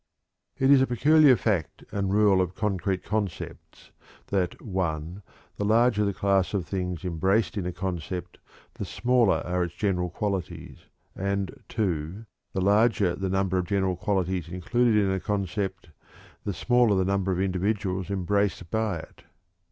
_" It is a peculiar fact and rule of concrete concepts that (1) the larger the class of things embraced in a concept, the smaller are its general qualities; and (2) the larger the number of general qualities included in a concept, the smaller the number of individuals embraced by it.